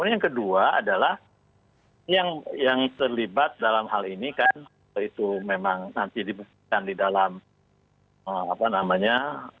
yang kedua adalah yang terlibat dalam hal ini kan itu memang nanti dibuktikan di dalam apa namanya